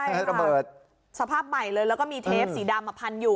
ให้ระเบิดสภาพใหม่เลยแล้วก็มีเทปสีดำมาพันอยู่